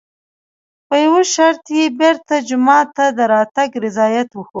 په یوه شرط یې بېرته جومات ته د راتګ رضایت وښود.